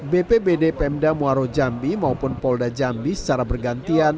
bpbd pemda muaro jambi maupun polda jambi secara bergantian